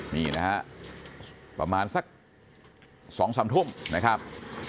นี่นะฮะประมาณสัก๒๓ทุ่มนะครับ